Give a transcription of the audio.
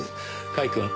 甲斐くん。